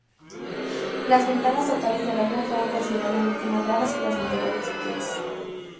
Las ventas totales del álbum fueron considerablemente más bajas que las anteriores de Keys.